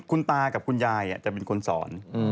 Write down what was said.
คุณตากับคุณยายจะเป็นคนสอน